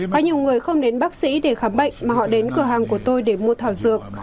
có nhiều người không đến bác sĩ để khám bệnh mà họ đến cửa hàng của tôi để mua thảo dược